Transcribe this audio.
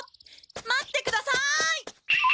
待ってください！